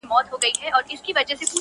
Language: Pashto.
یو څه یاران یو څه غونچې ووینو٫